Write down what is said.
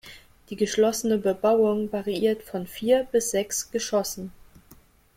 Die geschlossene Bebauung variiert von vier bis sechs Geschossen.